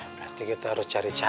berarti kita harus cari cara